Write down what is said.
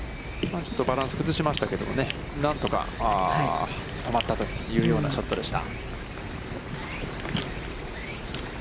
ちょっとバランスを崩しましたけどもね、何とか止まったというようなショットでした。